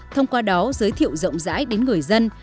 thông qua đó giới thiệu rộng rãi đến người dân